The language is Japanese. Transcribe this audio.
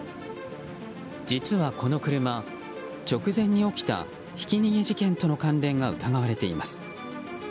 実はこの車、直前に起きたひき逃げ事件との関連が疑われています。